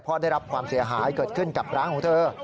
เพราะได้รับความเสียหายเกิดขึ้นกับร้านของเธอ